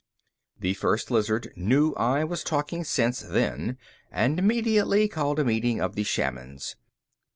The First Lizard knew I was talking sense then and immediately called a meeting of the shamans.